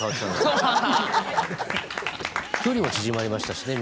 距離も縮まりましたしね。